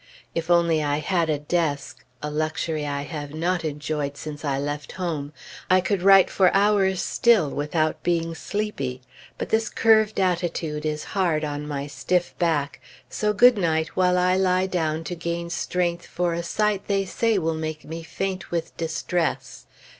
If I only had a desk, a luxury I have not enjoyed since I left home, I could write for hours still, without being sleepy; but this curved attitude is hard on my stiff back, so good night, while I lie down to gain strength for a sight they say will make me faint with distress.